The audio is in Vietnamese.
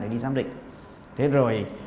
để đi xám định thế rồi